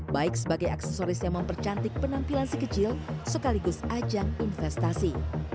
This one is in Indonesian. baik sebagai aksesoris yang mempercantik penampilan si kecil sekaligus ajang investasi